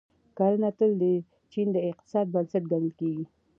کرنه تل د چین د اقتصاد بنسټ ګڼل کیږي.